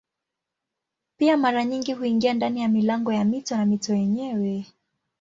Pia mara nyingi huingia ndani ya milango ya mito na mito yenyewe.